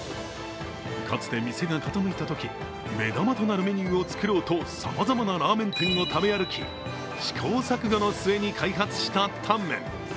かつて店が傾いたとき、目玉となるメニューを作ろうとさまざまなラーメン店を食べ歩き、試行錯誤の末に開発されたタンメン。